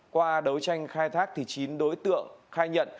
qua đấu tranh khai thác thì chín đối tượng khai nhận